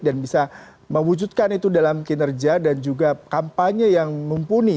dan bisa mewujudkan itu dalam kinerja dan juga kampanye yang mumpuni